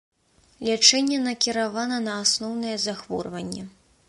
Лячэнне накіравана на асноўнае захворванне.